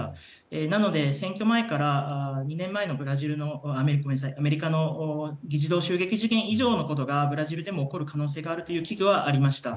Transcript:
なので選挙前から、２年前のアメリカの議事堂襲撃事件以上のことがブラジルでも起こる可能性があるという危惧はありました。